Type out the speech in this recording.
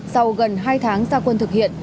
sau gần hai tháng gia quân thực hiện